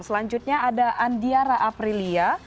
selanjutnya ada andiara aprilia